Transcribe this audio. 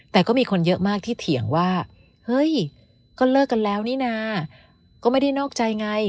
แต่ก็มีคนเยอะมากที่เถียงว่าเฮ้ยก็เลิกกันแล้วนี่นะก็ไม่ได้นอกใจไง